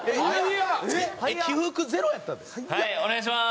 はいお願いします！